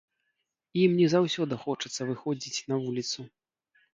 Ім не заўсёды хочацца выходзіць на вуліцу.